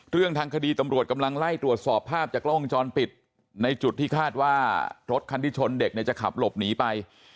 เรื่องทางคดีตำรวจกำลังไล่ตรวจสอบภาพจากกล้องวงจรปิดในจุดที่คาดว่ารถคันที่ชนเด็กเนี่ยจะขับหลบหนีไป